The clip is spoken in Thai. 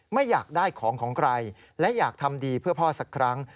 ไม่อยากได้ของของใครและอยากทำดีเพื่อพ่อสักครั้ง